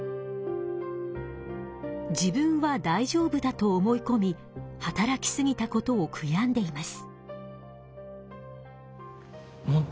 自分はだいじょうぶだと思いこみ働きすぎたことを悔やんでいます。